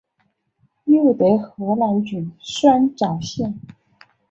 又得河南郡酸枣县。